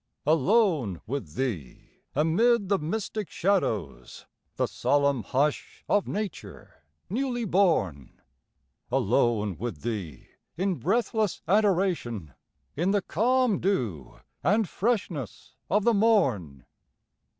Alone with Thee, amid the mystic shadows, The solemn hush of nature newly born; Alone with Thee in breathless adoration, In the calm dew and freshness of the morn.